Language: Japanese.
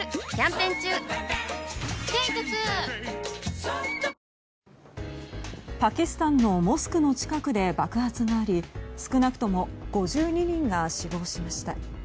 ペイトクパキスタンのモスク近くで爆発があり少なくとも５２人が死亡しました。